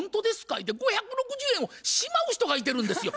言うて５６０円をしまう人がいてるんですよ。